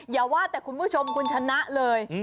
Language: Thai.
อย่าว่าแต่คุณผู้ชมคุณชนะเลย